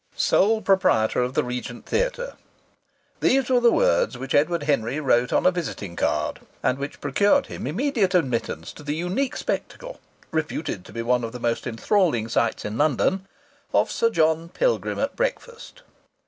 II "Sole proprietor of the Regent Theatre." These were the words which Edward Henry wrote on a visiting card and which procured him immediate admittance to the unique spectacle reputed to be one of the most enthralling sights in London of Sir John Pilgrim at breakfast.